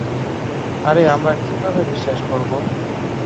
আরে আমরা কিভাবে বিশ্বাস করব?